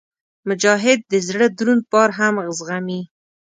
مجاهد د زړه دروند بار هم زغمي.